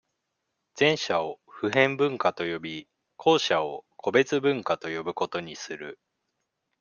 前者を、普遍文化と呼び、後者を、個別文化と呼ぶことにする。